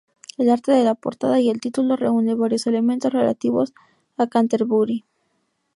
El arte de la portada y el título reúne varios elementos relativos a Canterbury.